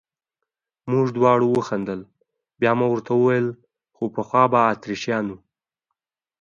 موږ دواړو وخندل، بیا مې ورته وویل: خو پخوا به اتریشیانو.